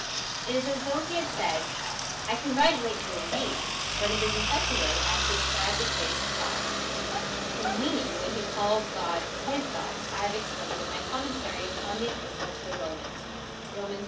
It is as though he had said —" I congratulate you indeed, but it is in such a way as to ascribe the praise to God." His meaning, when he calls God his God, I have explained in my Commentary upon the Epistle to the Romans (Rom. i.